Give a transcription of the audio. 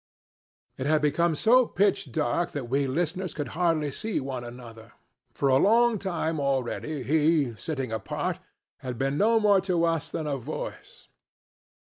..." It had become so pitch dark that we listeners could hardly see one another. For a long time already he, sitting apart, had been no more to us than a voice.